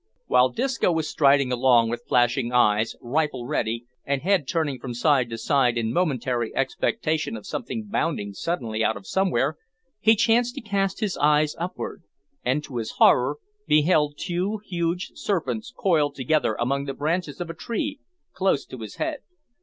While Disco was striding along with flashing eyes, rifle ready, and head turning from side to side in momentary expectation of something bounding suddenly out of somewhere, he chanced to cast his eyes upwards, and, to his horror, beheld two huge serpents coiled together among the branches of a tree close to his head.